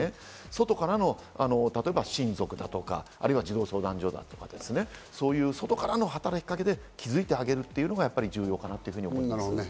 外からの例えば親族とか児童相談所とか、そういう外からの働きかけで気づいてあげるというのも重要かなと思いますね。